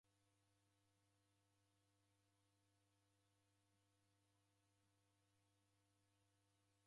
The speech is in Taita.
Mndungi ndeunung'unikie kubonya seji koni ugheshere.